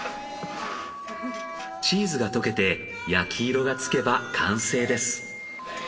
チーズが溶けて焼き色がつけば完成です。